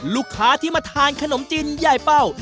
ลูกค้าที่มาทานขนมจีนยายเป้า